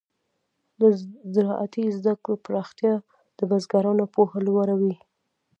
د زراعتي زده کړو پراختیا د بزګرانو پوهه لوړه وي.